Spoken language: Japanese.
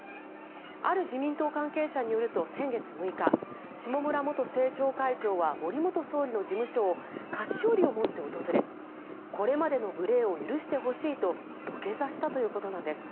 ある自民党関係者によると先月６日下村元政調会長は森元総理の事務所を菓子折りを持って訪れこれまでの無礼を許してほしいと土下座したということなんです。